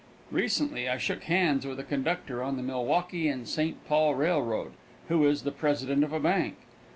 Recently I shook hands with a conductor on the Milwaukee and St. Paul Railroad, who is the president of a bank.